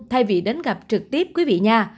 thay vì đến gặp trực tiếp quý vị nha